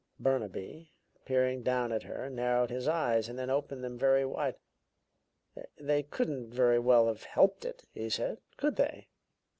Burnaby, peering down at her, narrowed his eyes and then opened them very wide. "They couldn't very well have helped it," he said, "could they?